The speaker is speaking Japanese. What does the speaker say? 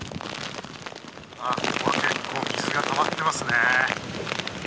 ここは結構、水がたまってますね。